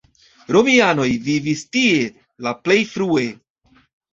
Romianoj vivis tie la plej frue.